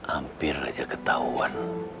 ambil aja ketahuan